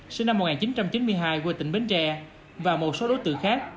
sinh năm một nghìn chín trăm chín mươi hai quê tỉnh bến tre và một số đối tượng khác